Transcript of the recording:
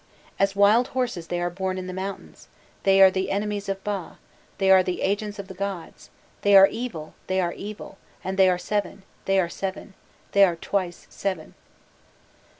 As wild horses they are born in the mountains, they are the enemies of Ba, they are the agents of the gods; they are evil, they are evil and they are seven, they are seven, they are twice seven."